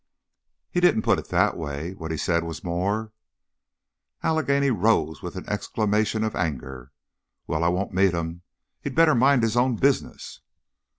"He didn't put it that way. What he said was more " Allegheny rose with an exclamation of anger. "Well, I won't meet 'em. He'd better mind his own business."